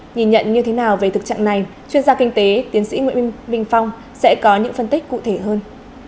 nhìn nhận như thế nào về thực trạng này chuyên gia kinh tế tiến sĩ nguyễn minh phong sẽ có những phân tích cụ thể hơn